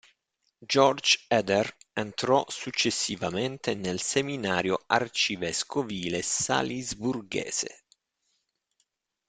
Georg Eder entrò successivamente nel seminario arcivescovile salisburghese.